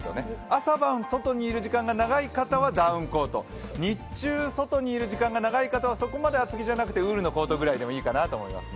朝晩、外にいる時間が長い方はダウンコート、日中、外にいる時間が長い方はそこまで厚着じゃなくてウールのコートぐらいでもいいかなと思いますね。